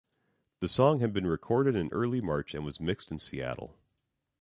The song had been recorded in early March and was mixed in Seattle.